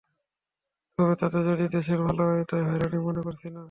তবে তাতে যদি দেশের ভালো হয়, তাই হয়রানি মনে করছি না।